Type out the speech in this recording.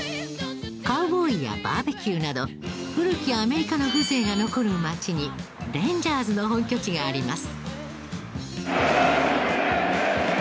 カウボーイやバーベキューなど古きアメリカの風情が残る街にレンジャーズの本拠地があります。